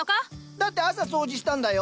だって朝掃除したんだよ。